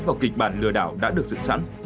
vào kịch bản lừa đảo đã được dựng sẵn